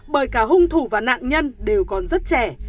bởi cả hung thủ và nạn nhân đều còn rất trẻ